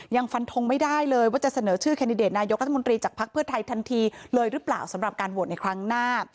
ยังฟันทงไม่ได้เลยว่าจะเสนอชื่อแคนดิเดตนายกรัฐมนตรีจากภักดิ์เพื่อไทยทันทีเลยหรือเปล่าสำหรับการโหวตในครั้งหน้า